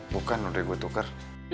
bukan udah gue tuker